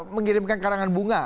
mengirimkan karangan bunga